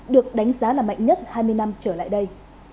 được đánh giá là mạnh nhất hai mươi năm trở lại đây